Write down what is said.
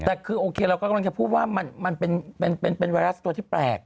แต่คือโอเคเราก็กำลังจะพูดว่ามันเป็นไวรัสตัวที่แปลก